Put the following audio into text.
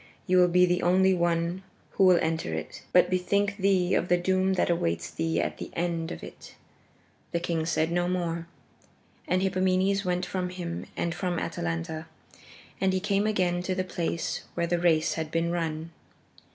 You will be the only one who will enter it. But bethink thee of the doom that awaits thee at the end of it." The king said no more, and Hippomenes went from him and from Atalanta, and he came again to the place where the race had been run.